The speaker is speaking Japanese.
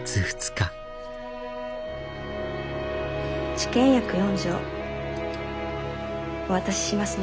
治験薬４錠お渡ししますね。